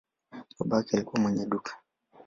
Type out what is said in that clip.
Babake alikuwa mwenye duka.